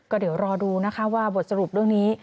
ก็เดี๋ยวรอดูนะคะว่าบทสรุปเรื่องนี้